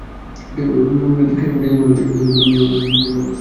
দেখে মনে হচ্ছে নোবেল প্রাইজ জয়ীর নাম ঘোষণা করা হবে এখন!